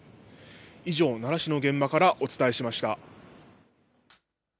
以上、奈良市の現場からお伝えしました。